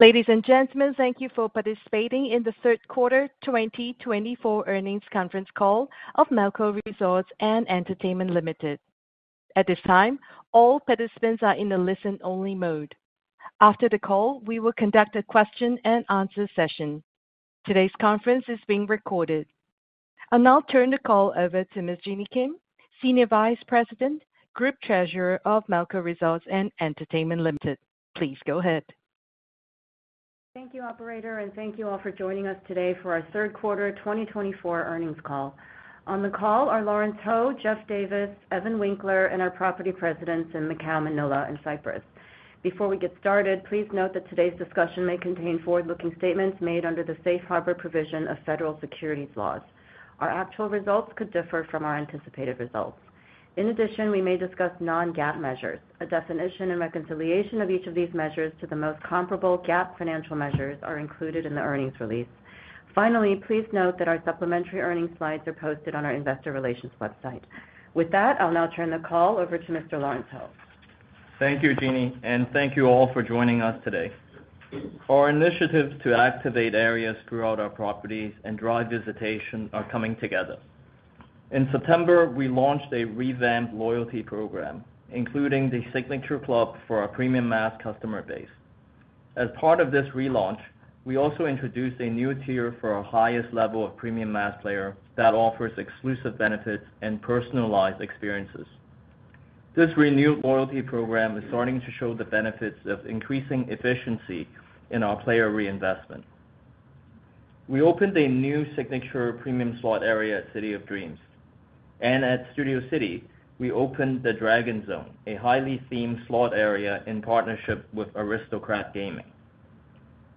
Ladies and gentlemen, thank you for participating in the third quarter 2024 earnings conference call of Melco Resorts & Entertainment Limited. At this time, all participants are in the listen-only mode. After the call, we will conduct a question-and-answer session. Today's conference is being recorded, and I'll turn the call over to Ms. Jenny Kim, Senior Vice President, Group Treasurer of Melco Resorts & Entertainment Limited. Please go ahead. Thank you, Operator, and thank you all for joining us today for our third quarter 2024 earnings call. On the call are Lawrence Ho, Geoff Davis, Evan Winkler, and our property presidents in Macau, Manila, and Cyprus. Before we get started, please note that today's discussion may contain forward-looking statements made under the safe harbor provision of federal securities laws. Our actual results could differ from our anticipated results. In addition, we may discuss non-GAAP measures. A definition and reconciliation of each of these measures to the most comparable GAAP financial measures are included in the earnings release. Finally, please note that our supplementary earnings slides are posted on our investor relations website. With that, I'll now turn the call over to Mr. Lawrence Ho. Thank you, Jenny, and thank you all for joining us today. Our initiatives to activate areas throughout our properties and drive visitation are coming together. In September, we launched a revamped loyalty program, including the Signature Club for our premium mass customer base. As part of this relaunch, we also introduced a new tier for our highest level of premium mass player that offers exclusive benefits and personalized experiences. This renewed loyalty program is starting to show the benefits of increasing efficiency in our player reinvestment. We opened a new signature premium slot area at City of Dreams, and at Studio City, we opened the Dragon Zone, a highly themed slot area in partnership with Aristocrat Gaming.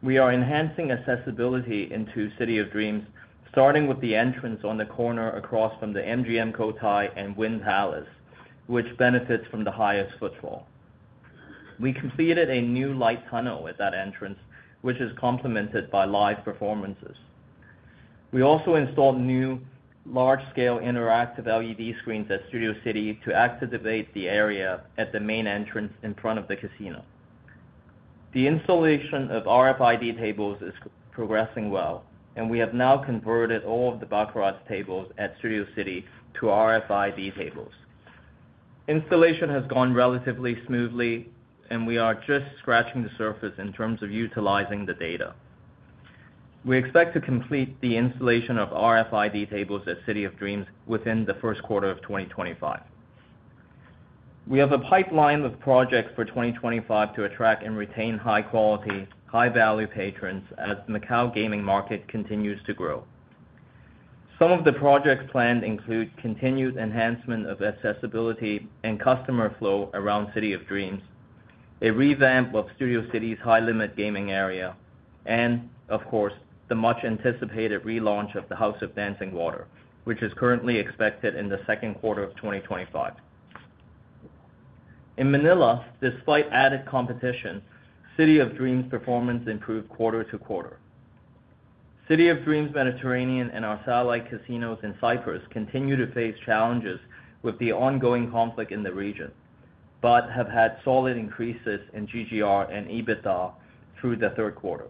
We are enhancing accessibility into City of Dreams, starting with the entrance on the corner across from the MGM Cotai and Wynn Palace, which benefits from the highest footfall. We completed a new light tunnel at that entrance, which is complemented by live performances. We also installed new large-scale interactive LED screens at Studio City to activate the area at the main entrance in front of the casino. The installation of RFID tables is progressing well, and we have now converted all of the baccarat tables at Studio City to RFID tables. Installation has gone relatively smoothly, and we are just scratching the surface in terms of utilizing the data. We expect to complete the installation of RFID tables at City of Dreams within the first quarter of 2025. We have a pipeline of projects for 2025 to attract and retain high-quality, high-value patrons as the Macau gaming market continues to grow. Some of the projects planned include continued enhancement of accessibility and customer flow around City of Dreams, a revamp of Studio City's high-limit gaming area, and, of course, the much-anticipated relaunch of the House of Dancing Water, which is currently expected in the second quarter of 2025. In Manila, despite added competition, City of Dreams' performance improved quarter to quarter. City of Dreams Mediterranean and our satellite casinos in Cyprus continue to face challenges with the ongoing conflict in the region, but have had solid increases in GGR and EBITDA through the third quarter.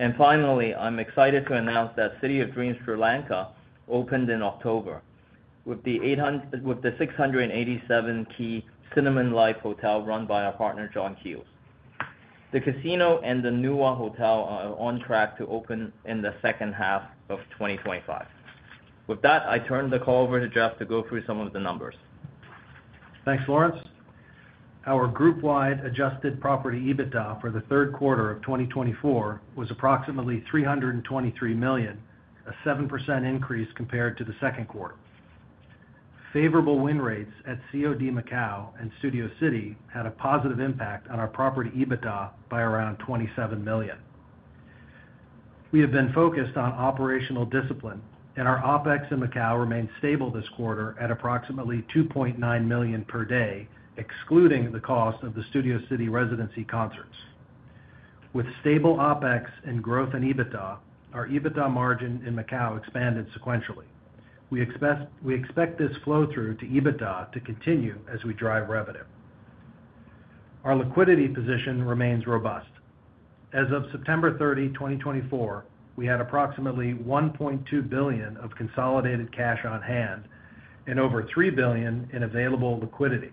And finally, I'm excited to announce that City of Dreams Sri Lanka opened in October with the 687-key Cinnamon Life Hotel run by our partner, John Keells. The casino and the Nüwa Hotel are on track to open in the second half of 2025. With that, I turn the call over to Geoff to go through some of the numbers. Thanks, Lawrence. Our group-wide adjusted property EBITDA for the third quarter of 2024 was approximately $323 million, a 7% increase compared to the second quarter. Favorable win rates at COD Macau and Studio City had a positive impact on our property EBITDA by around $27 million. We have been focused on operational discipline, and our OpEx in Macau remained stable this quarter at approximately $2.9 million per day, excluding the cost of the Studio City residency concerts. With stable OpEx and growth in EBITDA, our EBITDA margin in Macau expanded sequentially. We expect this flow-through to EBITDA to continue as we drive revenue. Our liquidity position remains robust. As of September 30, 2024, we had approximately $1.2 billion of consolidated cash on hand and over $3 billion in available liquidity.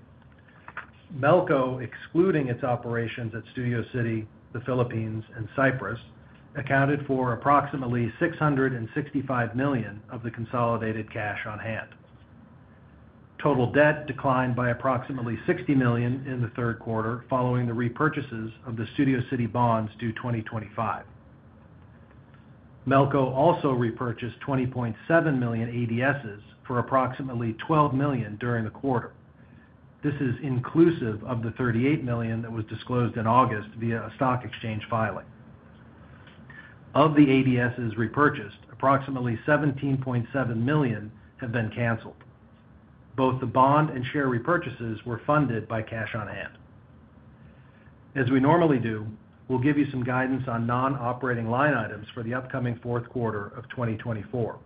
Melco, excluding its operations at Studio City, the Philippines, and Cyprus, accounted for approximately $665 million of the consolidated cash on hand. Total debt declined by approximately $60 million in the third quarter following the repurchases of the Studio City bonds due 2025. Melco also repurchased 20.7 million ADSs for approximately $12 million during the quarter. This is inclusive of the $38 million that was disclosed in August via a stock exchange filing. Of the ADSs repurchased, approximately $17.7 million have been canceled. Both the bond and share repurchases were funded by cash on hand. As we normally do, we'll give you some guidance on non-operating line items for the upcoming fourth quarter of 2024.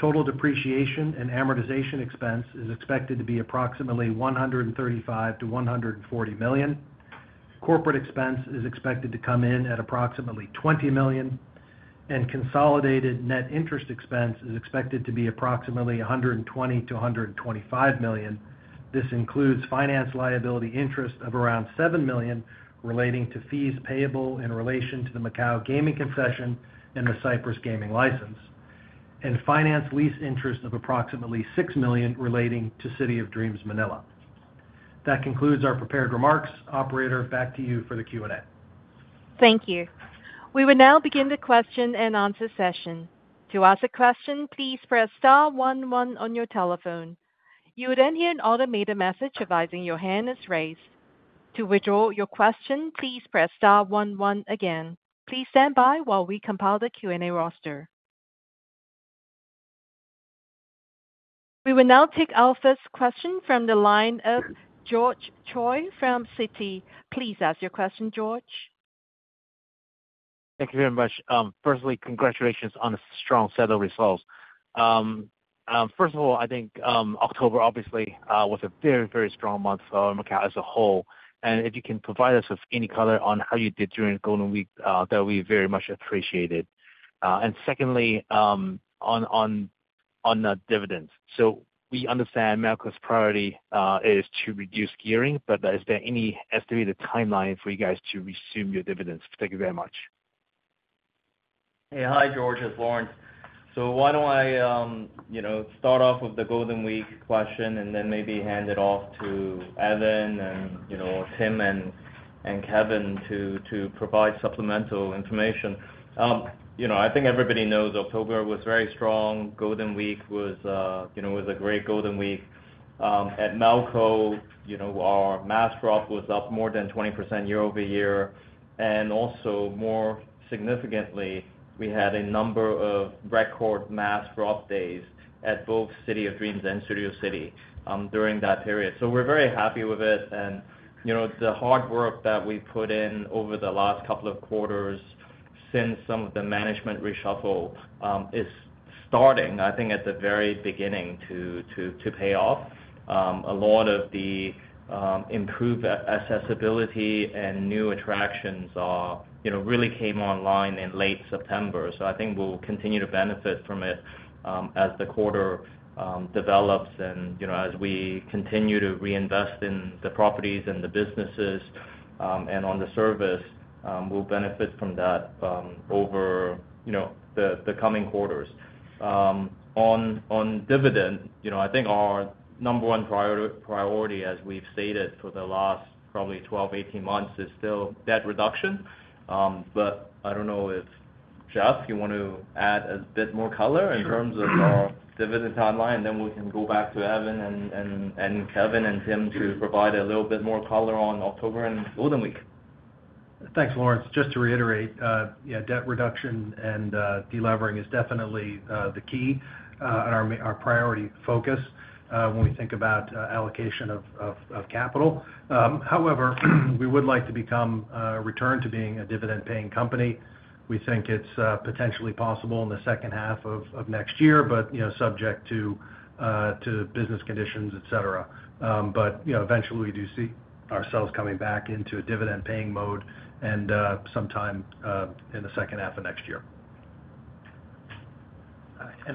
Total depreciation and amortization expense is expected to be approximately $135 million-$140 million. Corporate expense is expected to come in at approximately $20 million, and consolidated net interest expense is expected to be approximately $120 million-$125 million. This includes finance liability interest of around $7 million relating to fees payable in relation to the Macau gaming concession and the Cyprus gaming license, and finance lease interest of approximately $6 million relating to City of Dreams, Manila. That concludes our prepared remarks. Operator, back to you for the Q&A. Thank you. We will now begin the question and answer session. To ask a question, please press star one one on your telephone. You will then hear an automated message advising your hand is raised. To withdraw your question, please press star one one again. Please stand by while we compile the Q&A roster. We will now take our first question from the line of George Choi from Citi. Please ask your question, George. Thank you very much. Firstly, congratulations on a strong set of results. First of all, I think October obviously was a very, very strong month for Macau as a whole, and if you can provide us with any color on how you did during Golden Week, that we very much appreciate it, and secondly, on dividends, so we understand Melco's priority is to reduce gearing, but is there any estimated timeline for you guys to resume your dividends? Thank you very much. Hey, hi, George. It's Lawrence. So why don't I start off with the Golden Week question and then maybe hand it off to Evan and Tim and Kevin to provide supplemental information. I think everybody knows October was very strong. Golden Week was a great Golden Week. At Melco, our mass drop was up more than 20% year-over-year. And also, more significantly, we had a number of record mass drop days at both City of Dreams and Studio City during that period. So we're very happy with it. And the hard work that we've put in over the last couple of quarters since some of the management reshuffle is starting, I think at the very beginning to pay off. A lot of the improved accessibility and new attractions really came online in late September. So I think we'll continue to benefit from it as the quarter develops and as we continue to reinvest in the properties and the businesses and on the service. We'll benefit from that over the coming quarters. On dividends, I think our number one priority, as we've stated for the last probably 12, 18 months, is still debt reduction. But I don't know if Geoff, you want to add a bit more color in terms of our dividend timeline, then we can go back to Evan and Kevin and Tim to provide a little bit more color on October and Golden Week. Thanks, Lawrence. Just to reiterate, debt reduction and delevering is definitely the key and our priority focus when we think about allocation of capital. However, we would like to return to being a dividend-paying company. We think it's potentially possible in the second half of next year, but subject to business conditions, etc., but eventually, we do see ourselves coming back into a dividend-paying mode sometime in the second half of next year.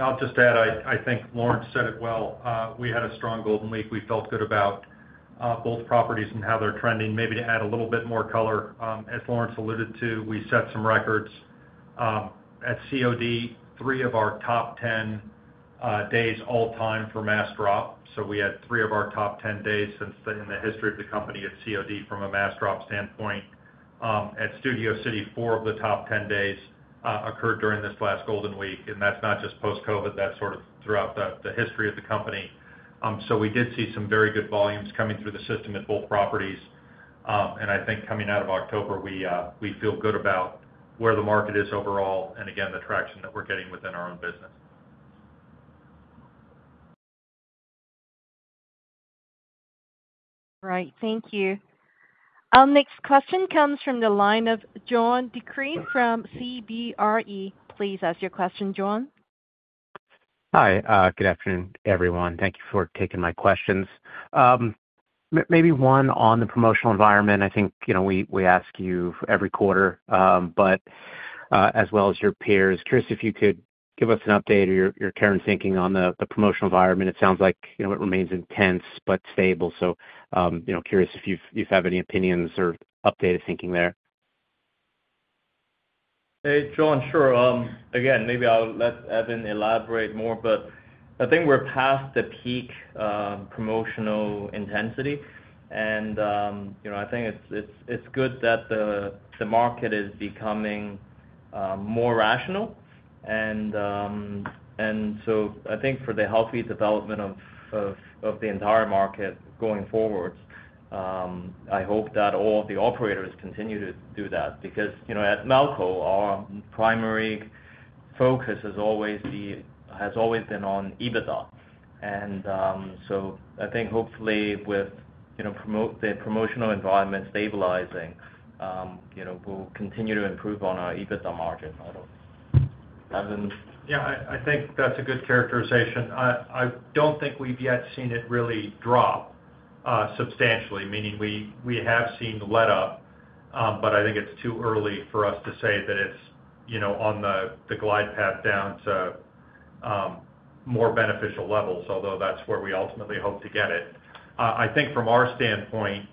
I'll just add, I think Lawrence said it well. We had a strong Golden Week. We felt good about both properties and how they're trending. Maybe to add a little bit more color, as Lawrence alluded to, we set some records. At COD, three of our top 10 days all-time for mass drop. So we had three of our top 10 days in the history of the company at COD from a mass drop standpoint. At Studio City, four of the top 10 days occurred during this last Golden Week. And that's not just post-COVID. That's sort of throughout the history of the company. So we did see some very good volumes coming through the system at both properties. And I think coming out of October, we feel good about where the market is overall and, again, the traction that we're getting within our own business. All right. Thank you. Our next question comes from the line of John DeCree from CBRE. Please ask your question, John. Hi. Good afternoon, everyone. Thank you for taking my questions. Maybe one on the promotional environment. I think we ask you every quarter, but as well as your peers. Curious if you could give us an update or your current thinking on the promotional environment. It sounds like it remains intense but stable. So curious if you have any opinions or updated thinking there. Hey, John, sure. Again, maybe I'll let Evan elaborate more, but I think we're past the peak promotional intensity, and I think it's good that the market is becoming more rational, and so I think for the healthy development of the entire market going forward, I hope that all of the operators continue to do that because at Melco, our primary focus has always been on EBITDA, and so I think hopefully with the promotional environment stabilizing, we'll continue to improve on our EBITDA margin. Yeah, I think that's a good characterization. I don't think we've yet seen it really drop substantially, meaning we have seen the let-up, but I think it's too early for us to say that it's on the glide path down to more beneficial levels, although that's where we ultimately hope to get it. I think from our standpoint,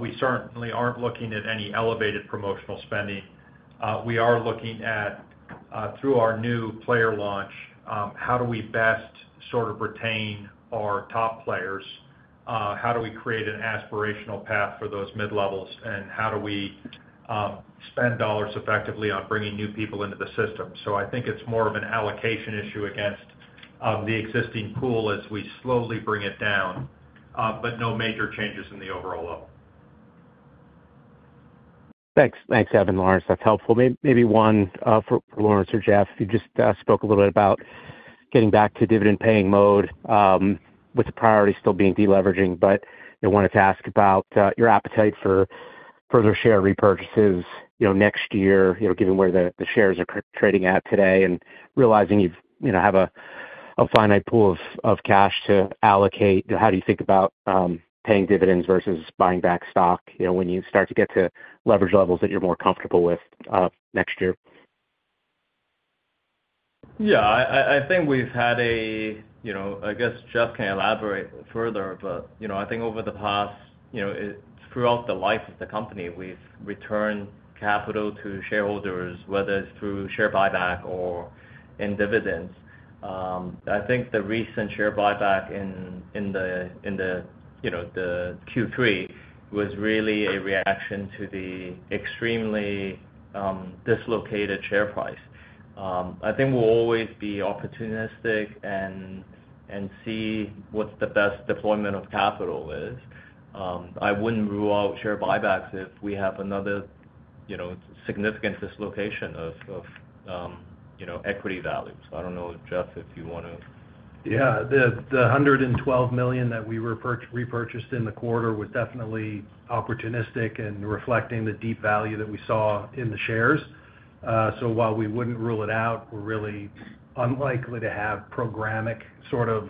we certainly aren't looking at any elevated promotional spending. We are looking at, through our new player launch, how do we best sort of retain our top players? How do we create an aspirational path for those mid-levels, and how do we spend dollars effectively on bringing new people into the system? So I think it's more of an allocation issue against the existing pool as we slowly bring it down, but no major changes in the overall level. Thanks. Thanks, Evan and Lawrence. That's helpful. Maybe one for Lawrence or Geoff. You just spoke a little bit about getting back to dividend-paying mode with the priority still being deleveraging, but I wanted to ask about your appetite for further share repurchases next year, given where the shares are trading at today and realizing you have a finite pool of cash to allocate. How do you think about paying dividends versus buying back stock when you start to get to leverage levels that you're more comfortable with next year? Yeah, I think we've had a, I guess, Geoff can elaborate further, but I think over the past, throughout the life of the company, we've returned capital to shareholders, whether it's through share buyback or in dividends. I think the recent share buyback in the Q3 was really a reaction to the extremely dislocated share price. I think we'll always be opportunistic and see what the best deployment of capital is. I wouldn't rule out share buybacks if we have another significant dislocation of equity value. So I don't know, Geoff, if you want to. Yeah, the $112 million that we repurchased in the quarter was definitely opportunistic and reflecting the deep value that we saw in the shares. So while we wouldn't rule it out, we're really unlikely to have programmatic sort of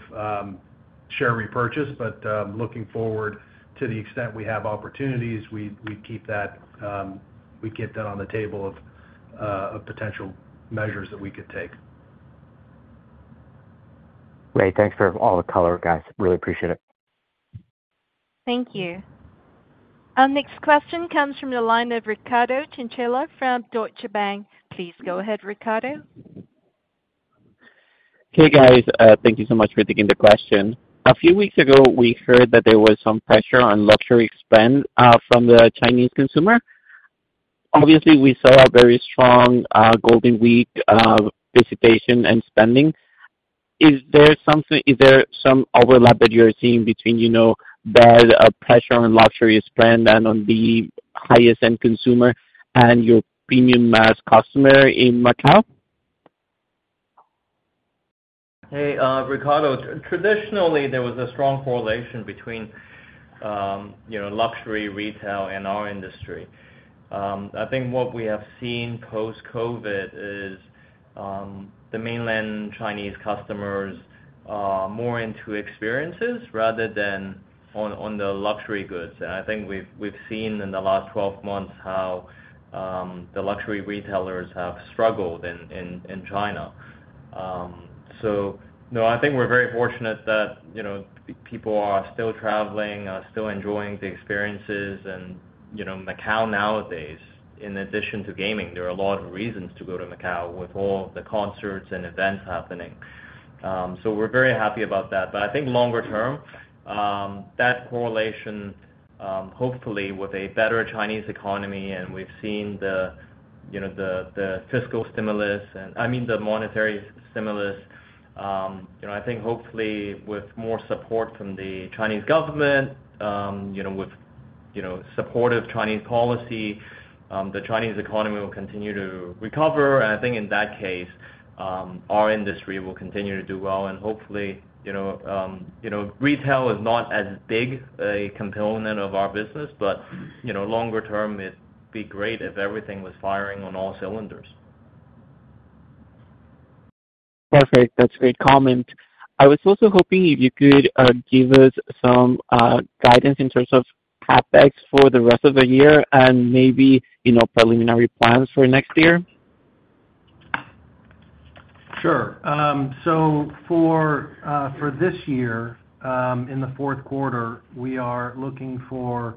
share repurchase, but looking forward to the extent we have opportunities, we'd keep that on the table of potential measures that we could take. Great. Thanks for all the color, guys. Really appreciate it. Thank you. Our next question comes from the line of Ricardo Chinchilla from Deutsche Bank. Please go ahead, Ricardo. Hey, guys. Thank you so much for taking the question. A few weeks ago, we heard that there was some pressure on luxury spend from the Chinese consumer. Obviously, we saw a very strong Golden Week visitation and spending. Is there some overlap that you're seeing between that pressure on luxury spend and on the highest-end consumer and your premium mass customer in Macau? Hey, Ricardo. Traditionally, there was a strong correlation between luxury retail and our industry. I think what we have seen post-COVID is the mainland Chinese customers are more into experiences rather than on the luxury goods. And I think we've seen in the last 12 months how the luxury retailers have struggled in China. So I think we're very fortunate that people are still traveling, are still enjoying the experiences. And Macau nowadays, in addition to gaming, there are a lot of reasons to go to Macau with all the concerts and events happening. So we're very happy about that. But I think longer term, that correlation, hopefully, with a better Chinese economy, and we've seen the fiscal stimulus, and I mean, the monetary stimulus, I think hopefully with more support from the Chinese government, with supportive Chinese policy, the Chinese economy will continue to recover. I think in that case, our industry will continue to do well. Hopefully, retail is not as big a component of our business, but longer term, it'd be great if everything was firing on all cylinders. Perfect. That's a great comment. I was also hoping if you could give us some guidance in terms of CapEx for the rest of the year and maybe preliminary plans for next year. Sure. So for this year, in the fourth quarter, we are looking for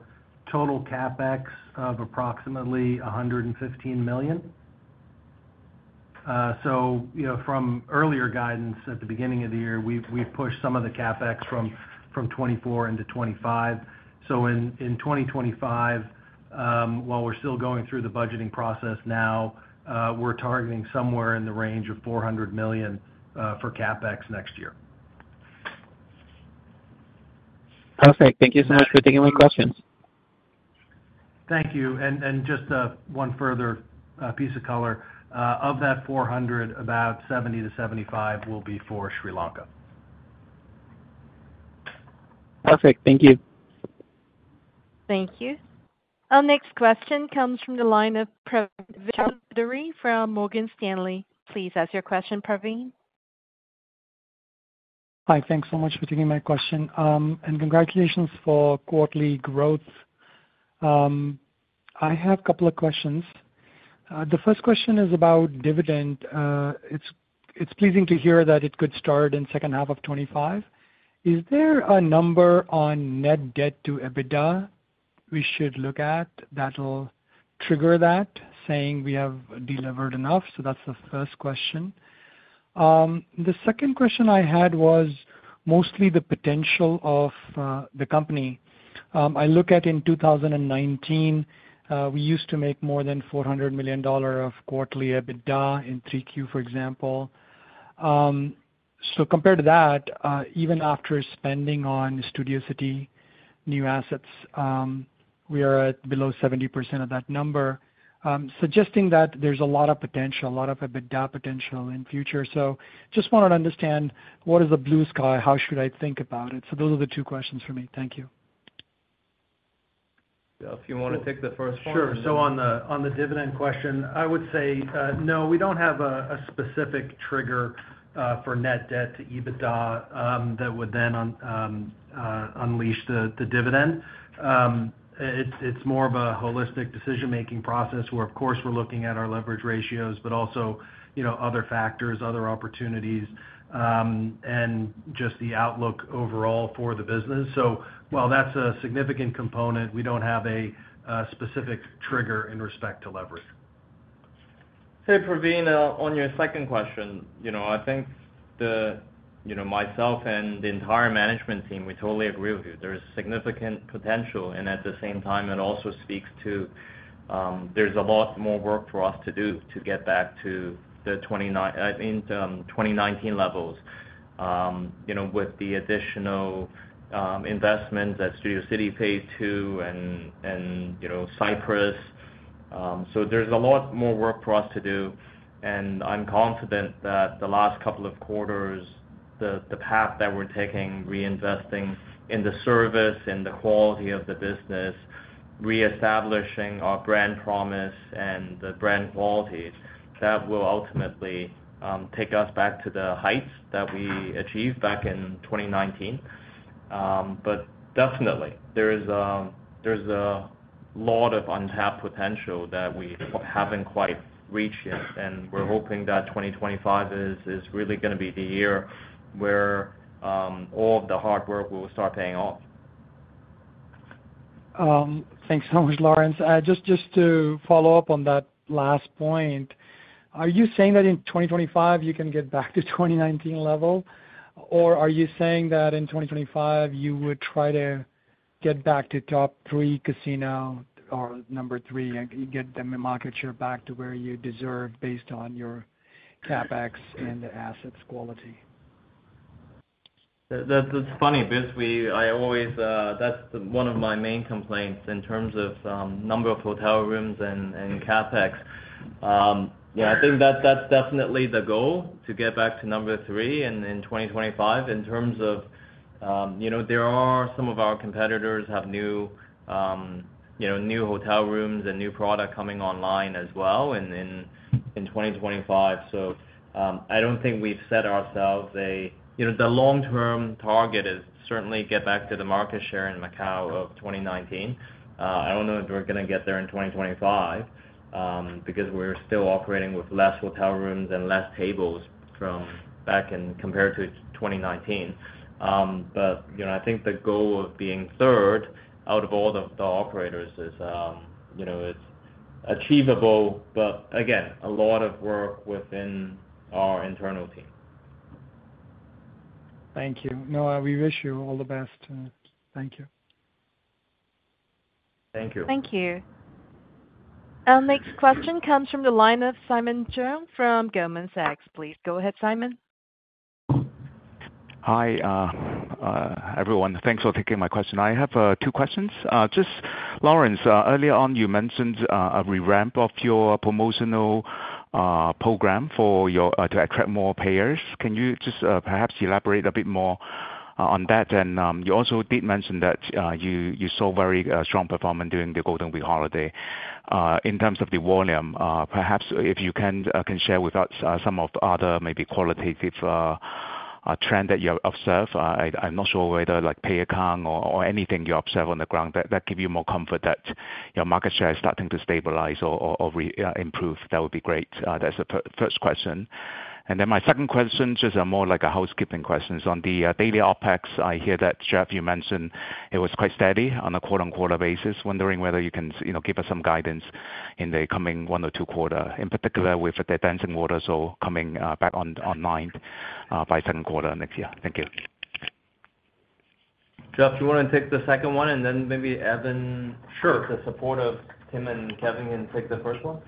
total CapEx of approximately $115 million. So from earlier guidance at the beginning of the year, we've pushed some of the CapEx from '24 into '25. So in 2025, while we're still going through the budgeting process now, we're targeting somewhere in the range of $400 million for CapEx next year. Perfect. Thank you so much for taking my questions. Thank you, and just one further piece of color. Of that $400, about $70-$75 will be for Sri Lanka. Perfect. Thank you. Thank you. Our next question comes from the line of Praveen Choudhary from Morgan Stanley. Please ask your question, Praveen. Hi. Thanks so much for taking my question. And congratulations for quarterly growth. I have a couple of questions. The first question is about dividend. It's pleasing to hear that it could start in the second half of 2025. Is there a number on net debt to EBITDA we should look at that'll trigger that, saying we have delivered enough? So that's the first question. The second question I had was mostly the potential of the company. I look at in 2019, we used to make more than $400 million of quarterly EBITDA in 3Q, for example. So compared to that, even after spending on Studio City new assets, we are at below 70% of that number, suggesting that there's a lot of potential, a lot of EBITDA potential in future. So just want to understand what is the blue sky? How should I think about it? Those are the two questions for me. Thank you. Yeah. If you want to take the first one. Sure. So on the dividend question, I would say no, we don't have a specific trigger for net debt to EBITDA that would then unleash the dividend. It's more of a holistic decision-making process where, of course, we're looking at our leverage ratios, but also other factors, other opportunities, and just the outlook overall for the business. So while that's a significant component, we don't have a specific trigger in respect to leverage. Hey, Praveen, on your second question, I think myself and the entire management team, we totally agree with you. There is significant potential, and at the same time, it also speaks to there's a lot more work for us to do to get back to the 2019 levels with the additional investments that Studio City Phase 2 and Cyprus. So there's a lot more work for us to do, and I'm confident that the last couple of quarters, the path that we're taking, reinvesting in the service and the quality of the business, reestablishing our brand promise and the brand qualities, that will ultimately take us back to the heights that we achieved back in 2019, but definitely, there's a lot of untapped potential that we haven't quite reached yet. We're hoping that 2025 is really going to be the year where all of the hard work will start paying off. Thanks so much, Lawrence. Just to follow up on that last point, are you saying that in 2025, you can get back to 2019 level? Or are you saying that in 2025, you would try to get back to top three casino or number three and get the market share back to where you deserve based on your CapEx and the assets quality? That's funny because I always, that's one of my main complaints in terms of number of hotel rooms and CapEx. Yeah, I think that's definitely the goal, to get back to number three in 2025. In terms of there are some of our competitors have new hotel rooms and new product coming online as well in 2025. So I don't think we've set ourselves a, the long-term target is certainly get back to the market share in Macau of 2019. I don't know if we're going to get there in 2025 because we're still operating with less hotel rooms and less tables back compared to 2019. But I think the goal of being third out of all the operators is achievable, but again, a lot of work within our internal team. Thank you. No, we wish you all the best. Thank you. Thank you. Thank you. Our next question comes from the line of Simon Cheung from Goldman Sachs. Please go ahead, Simon. Hi, everyone. Thanks for taking my question. I have two questions. Just Lawrence, earlier on, you mentioned a revamp of your promotional program to attract more payers. Can you just perhaps elaborate a bit more on that? And you also did mention that you saw very strong performance during the Golden Week holiday. In terms of the volume, perhaps if you can share with us some of other maybe qualitative trends that you observe. I'm not sure whether player count or anything you observe on the ground that give you more comfort that your market share is starting to stabilize or improve. That would be great. That's the first question. And then my second question just are more like housekeeping questions. On the daily OpEx, I hear that, Geoff, you mentioned it was quite steady on a quarter-on-quarter basis. Wondering whether you can give us some guidance in the coming one or two quarter, in particular with the House of Dancing Water coming back online by second quarter next year? Thank you. Geoff, do you want to take the second one? And then maybe Evan, the support of Tim and Kevin, can take the first one?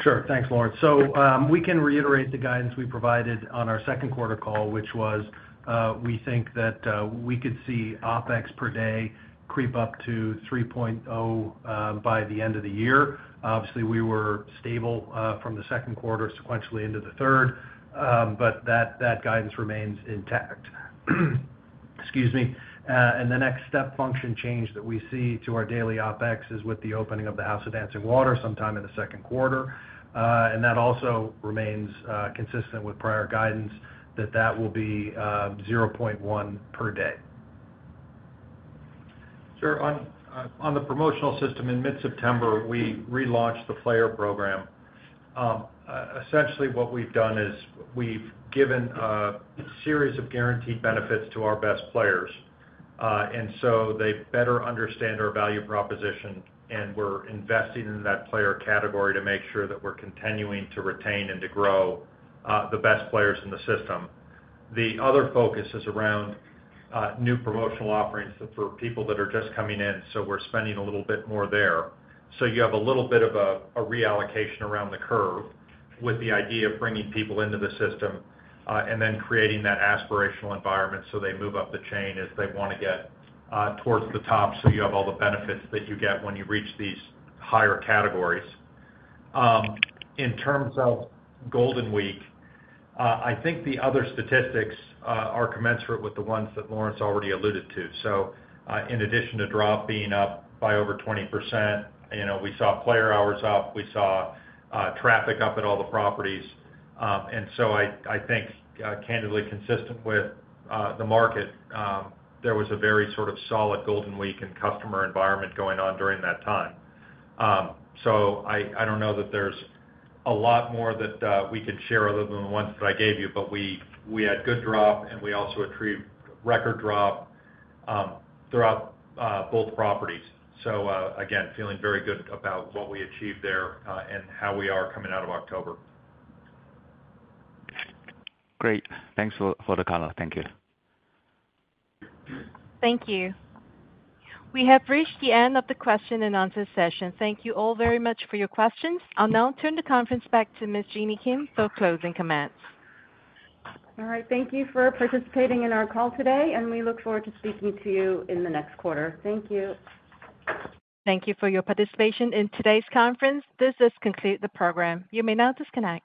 Sure. Thanks, Lawrence. So we can reiterate the guidance we provided on our second quarter call, which was we think that we could see OpEx per day creep up to $3.0 by the end of the year. Obviously, we were stable from the second quarter sequentially into the third, but that guidance remains intact. Excuse me. And the next step function change that we see to our daily OpEx is with the opening of The House of Dancing Water sometime in the second quarter. And that also remains consistent with prior guidance that that will be $0.1 per day. Sure. On the promotional system in mid-September, we relaunched the player program. Essentially, what we've done is we've given a series of guaranteed benefits to our best players, and so they better understand our value proposition, and we're investing in that player category to make sure that we're continuing to retain and to grow the best players in the system. The other focus is around new promotional offerings for people that are just coming in, so we're spending a little bit more there, so you have a little bit of a reallocation around the curve with the idea of bringing people into the system and then creating that aspirational environment so they move up the chain as they want to get towards the top. So you have all the benefits that you get when you reach these higher categories. In terms of Golden Week, I think the other statistics are commensurate with the ones that Lawrence already alluded to. So in addition to drop being up by over 20%, we saw player hours up. We saw traffic up at all the properties, and so I think candidly, consistent with the market, there was a very sort of solid Golden Week and customer environment going on during that time, so I don't know that there's a lot more that we can share other than the ones that I gave you, but we had good drop, and we also achieved record drop throughout both properties, so again, feeling very good about what we achieved there and how we are coming out of October. Great. Thanks for the color. Thank you. Thank you. We have reached the end of the question and answer session. Thank you all very much for your questions. I'll now turn the conference back to Ms. Jenny Kim for closing comments. All right. Thank you for participating in our call today, and we look forward to speaking to you in the next quarter. Thank you. Thank you for your participation in today's conference. This has concluded the program. You may now disconnect.